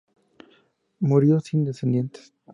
Murió sin descendientes.